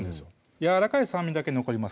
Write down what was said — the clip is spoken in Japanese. やわらかい酸味だけ残ります